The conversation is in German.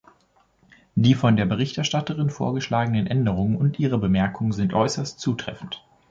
Die von der Berichterstatterin vorgeschlagenen Änderungen und ihre Bemerkungen sind äußerst zutreffend.